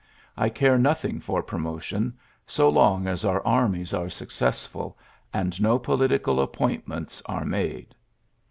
I car^ nothing for promotion, so long as oui> armies are successfiil, and no politioal appointments are made."